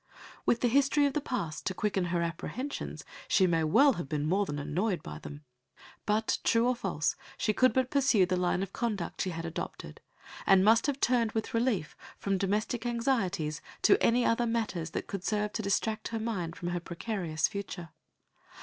With the history of the past to quicken her apprehensions, she may well have been more than "annoyed" by them. But, true or false, she could but pursue the line of conduct she had adopted, and must have turned with relief from domestic anxieties to any other matters that could serve to distract her mind from her precarious future.